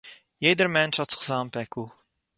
יעדער מענטש האָט זיך זײַן פּעקל.